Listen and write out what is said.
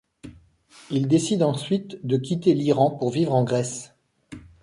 Il décide ensuite de quitter l'Iran pour vivre en Grèce.